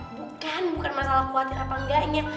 bukan bukan masalah khawatir apa enggaknya